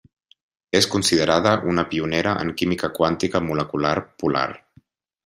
És considerada una pionera en química quàntica molecular polar.